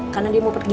karena dia mau pergi